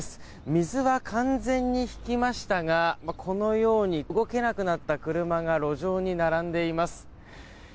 水は完全に引きましたがこのように動けなくなった車が路上に並んでいます。